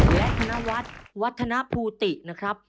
แม่ธนวัฒนภูตินะครับ